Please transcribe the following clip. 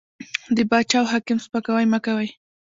د باچا او حاکم سپکاوی مه کوئ!